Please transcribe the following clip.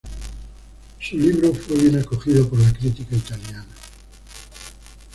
Su libro fue bien acogido por la crítica italiana.